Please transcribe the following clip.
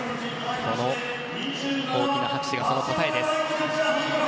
この大きな拍手がその答えです。